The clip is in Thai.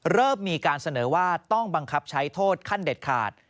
เริ่มมีการเสนอว่าต้องบังคับใช้โทษขั้นเด็ดขาด